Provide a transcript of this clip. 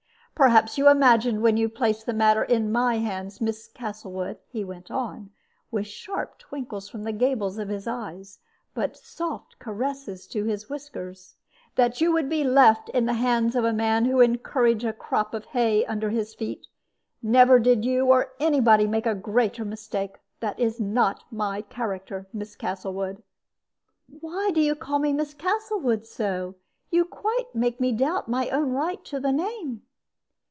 "Perhaps you imagined when you placed the matter in my hands, Miss Castlewood," he went on, with sharp twinkles from the gables of his eyes, but soft caresses to his whiskers, "that you would be left in the hands of a man who encouraged a crop of hay under his feet. Never did you or any body make a greater mistake. That is not my character, Miss Castlewood." "Why do you call me 'Miss Castlewood' so? You quite make me doubt my own right to the name."